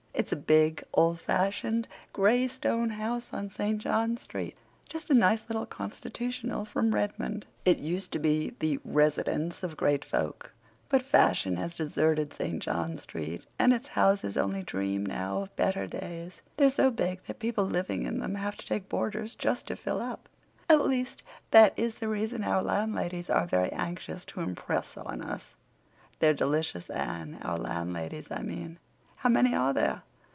It's a big, old fashioned, gray stone house on St. John Street, just a nice little constitutional from Redmond. It used to be the 'residence' of great folk, but fashion has deserted St. John Street and its houses only dream now of better days. They're so big that people living in them have to take boarders just to fill up. At least, that is the reason our landladies are very anxious to impress on us. They're delicious, Anne—our landladies, I mean." "How many are there?"